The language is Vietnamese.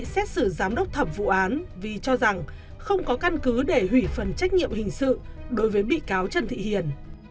xét xử giám đốc thẩm vụ án vì cho rằng không có căn cứ để hủy phần trách nhiệm hình sự đối với bị cáo trần thị hiền